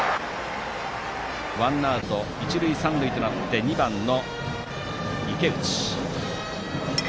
ワンアウト、一塁三塁となって２番の池内。